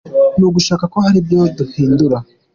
Ni ugushaka ko hari ibyo duhindura.